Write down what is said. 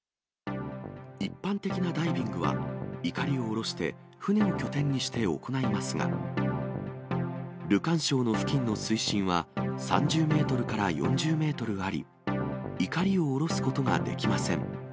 一般的なダイビングは、いかりをおろして、船を拠点にして行いますが、ルカン礁の付近の水深は３０メートルから４０メートルあり、いかりをおろすことができません。